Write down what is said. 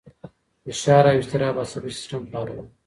فشار او اضطراب عصبي سیستم فعالوي.